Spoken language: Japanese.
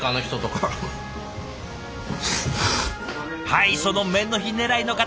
はいその「麺の日狙いの方」